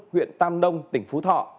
huyện tam nông tỉnh phú thọ